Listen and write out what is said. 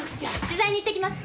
取材に行ってきます。